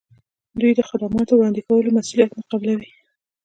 دوی د خدماتو وړاندې کولو مسولیت نه قبلوي.